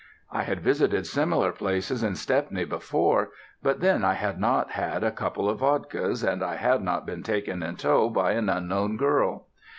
I had visited similar places in Stepney before, but then I had not had a couple of vodkas, and I had not been taken in tow by an unknown girl.